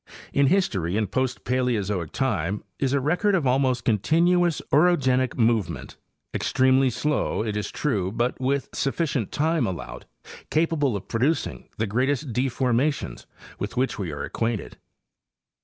Its history in post 'Paleozoic time is a record of almost continuous orogenic move ment—extremely slow, it is true, but with sufficient time allowed, capable of producing the greatest deformations with which we are acquainted.